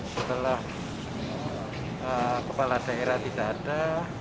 setelah kepala daerah tidak ada